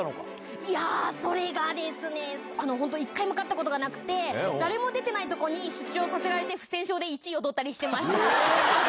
いやー、それがですね、本当、一回も勝ったことがなくって、誰も出てないところに出場させられて、不戦勝で１位を取ったりしまた？